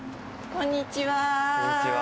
こんにちは。